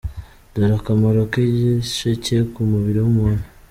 Dore akamaro k’igisheke ku mubiri w’umuntu.